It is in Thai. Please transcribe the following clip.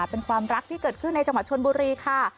เป็นความรักที่เกิดขึ้นในจังหวัดชนบุรีค่ะ